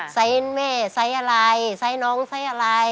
ใส่แม่ใส่อะไรใส่น้องใส่อะไร